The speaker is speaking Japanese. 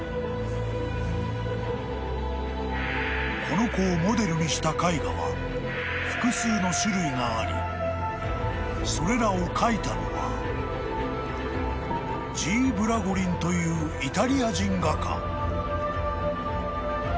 ［この子をモデルにした絵画は複数の種類がありそれらを描いたのはＧ．ブラゴリンというイタリア人画家］